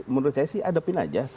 menurut saya sih adepin saja